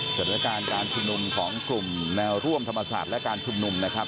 สถานการณ์การชุมนุมของกลุ่มแนวร่วมธรรมศาสตร์และการชุมนุมนะครับ